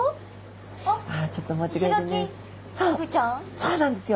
そうなんですよ。